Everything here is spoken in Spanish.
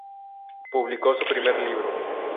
Publicó su primer libro.